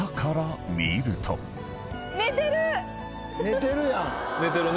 寝てるやん。